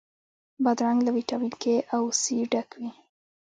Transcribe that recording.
بادرنګ له ویټامین K او C ډک وي.